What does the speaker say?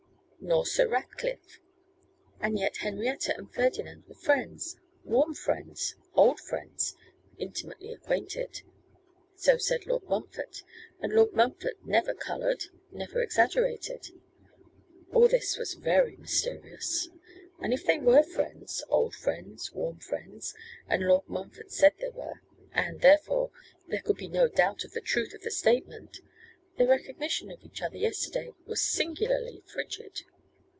Nor Sir Ratcliffe. And yet Henrietta and Ferdinand were friends, warm friends, old friends, intimately acquainted: so said Lord Montfort, and Lord Montfort never coloured, never exaggerated. All this was very mysterious. And if they were friends, old friends, warm friends, and Lord Montfort said they were, and, therefore, there could be no doubt of the truth of the statement, their recognition of each other yesterday was singularly frigid.